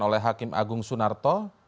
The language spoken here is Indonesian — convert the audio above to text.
oleh hakim agung sunarto